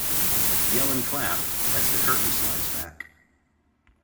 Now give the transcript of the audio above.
Yell and clap as the curtain slides back.